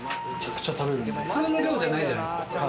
普通の量じゃないじゃないですか。